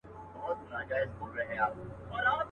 دا د قسمت په حوادثو کي پېیلی وطن.